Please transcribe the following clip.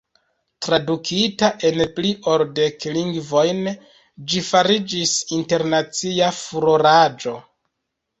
Tradukita en pli ol dek lingvojn, ĝi fariĝis internacia furoraĵo.